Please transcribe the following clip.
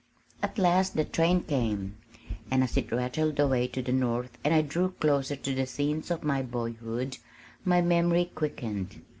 At last the train came, and as it rattled away to the north and I drew closer to the scenes of my boyhood, my memory quickened.